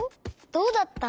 どうだった？